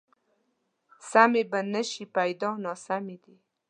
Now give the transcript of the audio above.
سمې به نه شي، پیدا ناسمې دي